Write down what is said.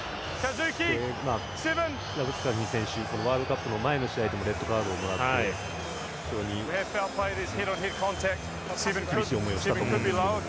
ラブスカフニ選手ワールドカップの前の試合でもレッドカードをもらって非常に苦しい思いをしたと思うんですけど。